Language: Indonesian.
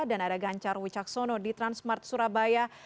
dan ada gancar wicaksono di transmart surabaya